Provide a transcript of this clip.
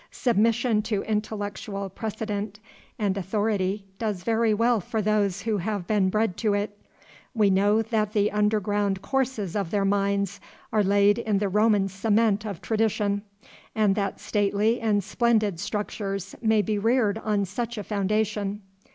Submission to intellectual precedent and authority does very well for those who have been bred to it; we know that the underground courses of their minds are laid in the Roman cement of tradition, and that stately and splendid structures may be reared on such a foundation.